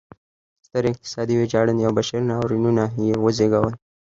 سترې اقتصادي ویجاړنې او بشري ناورینونه یې وزېږول.